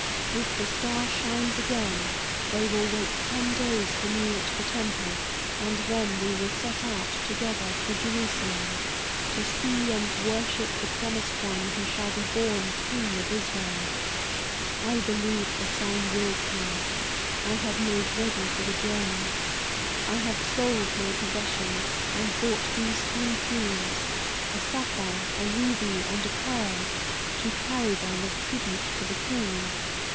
If the star shines again, they will wait ten days for me at the temple, and then we will set out together for Jerusalem, to see and worship the promised one who shall be born King of Israel. I believe the sign will come. I have made ready for the journey. I have sold my possessions, and bought these three jewels a sapphire, a ruby, and a pearl to carry them as tribute to the King.